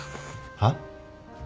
はっ！？